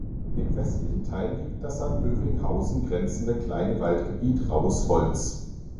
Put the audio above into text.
Im westlichen Teil liegt das an Bövinghausen grenzende kleine Waldgebiet "Rauhes Holz.